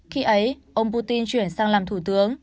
khi ấy ông putin chuyển sang làm thủ tướng